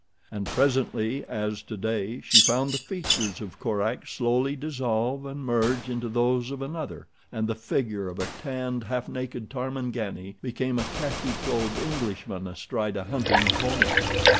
And presently, as today, she found the features of Korak slowly dissolve and merge into those of another, and the figure of a tanned, half naked tarmangani become a khaki clothed Englishman astride a hunting pony.